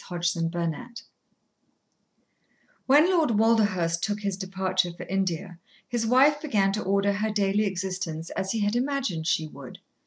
Chapter Twelve When Lord Walderhurst took his departure for India, his wife began to order her daily existence as he had imagined she would.